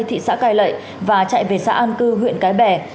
thị xã cai lậy và chạy về xã an cư huyện cái bè